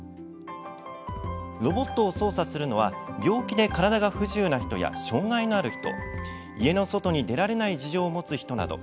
ロボットを操作するのは病気で体が不自由な人や障害のある人家の外に出られない事情を持つ人など。